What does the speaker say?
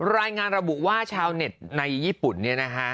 รายงานระบุว่าชาวเน็ตในญี่ปุ่นเนี่ยนะฮะ